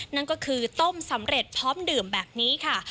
นั่นก็คือต้มสำเร็จพร้อมดื่มแบบนี้ค่ะ